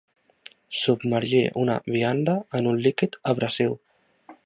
Submergir una vianda en un líquid abrasiu.